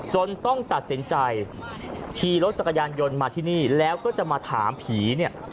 ต้องตัดสินใจขี่รถจักรยานยนต์มาที่นี่แล้วก็จะมาถามผีเนี่ย